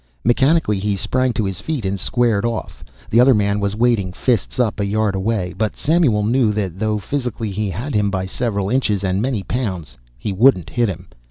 Mechanically he sprang to his feet and squared off. The other man was waiting, fists up, a yard away, but Samuel knew that though physically he had him by several inches and many pounds, he wouldn't hit him.